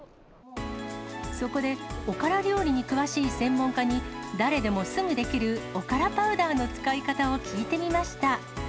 そこで、おから料理に詳しい専門家に、誰でもすぐできるおからパウダーの使い方を聞いてみました。